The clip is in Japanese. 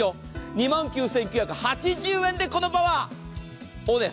２万９９８０円でこのパワーです。